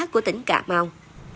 của tỉnh cả mau